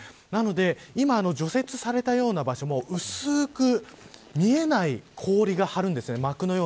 なので今除雪されたような場所も薄く見えない氷が張るんです。